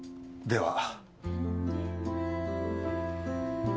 では。